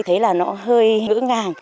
thấy là nó hơi ngữ ngàng